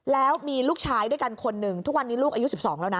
แล้วมีลูกชายด้วยกันคนหนึ่งทุกวันนี้ลูกอายุ๑๒แล้วนะ